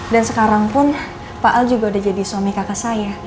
dan sekarang pun pak al juga udah jadi suami kakak saya